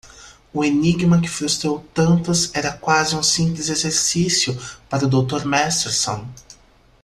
O enigma que frustrou tantos era quase um simples exercício para o dr. Masterson.